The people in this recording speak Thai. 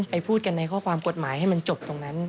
พูดกันในข้อความกฎหมายให้มันจบตรงนั้น